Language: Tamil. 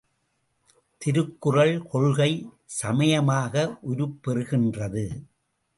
திருக்குறள் கொள்கை சமயமாக உருப்பெறுகின்றது.